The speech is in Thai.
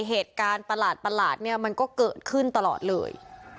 เหตุการณ์ประหลาดเนี่ยมันก็เกิดขึ้นตลอดเลย